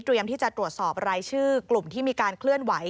ที่จะตรวจสอบรายชื่อกลุ่มที่มีการเคลื่อนไหว